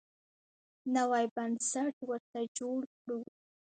نوی بنسټ ورته جوړ کړو.